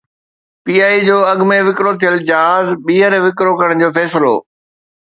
P I A جو اڳ ۾ وڪرو ٿيل جهاز ٻيهر وڪرو ڪرڻ جو فيصلو